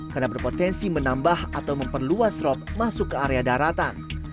karena berpotensi menambah atau memperluas rop masuk ke area daratan